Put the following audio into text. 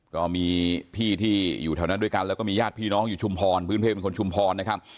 ก็มีพี่ที่อยู่แถวนั้นด้วยกันแล้วก็มีญาติพี่น้องอยู่ชุมพรพื้นเพลเป็นคนชุมพรนะครับ